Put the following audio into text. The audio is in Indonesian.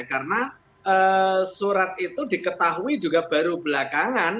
karena surat itu diketahui juga baru belakangan